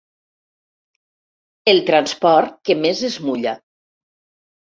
El transport que més es mulla.